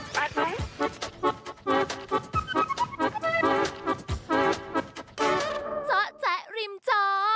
เจาะแจ๊ะริมจอ